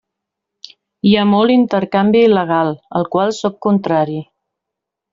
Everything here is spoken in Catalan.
Hi ha molt intercanvi il·legal, al qual sóc contrari.